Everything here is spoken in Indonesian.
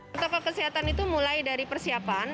protokol kesehatan itu mulai dari persiapan